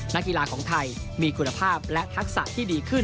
นักกีฬาของไทยมีคุณภาพและทักษะที่ดีขึ้น